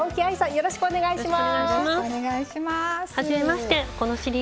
よろしくお願いします。